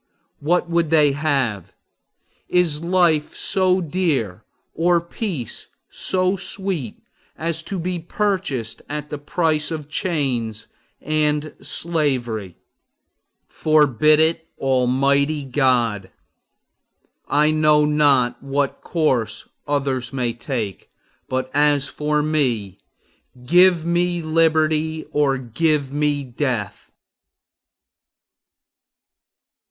What would they have? Is life so dear, or peace so sweet, as to be purchased at the price of chains and slavery? Forbid it, Almighty God! I know not what course others may take, but as for me, give me liberty or give me death!